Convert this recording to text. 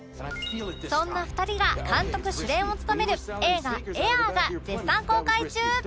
そんな２人が監督主演を務める映画『ＡＩＲ／ エア』が絶賛公開中！